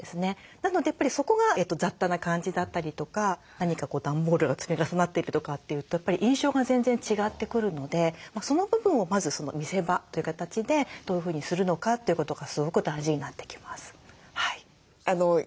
なのでやっぱりそこが雑多な感じだったりとか段ボールが積み重なってるとかっていうとやっぱり印象が全然違ってくるのでその部分をまず見せ場という形でどういうふうにするのかということがすごく大事になってきます。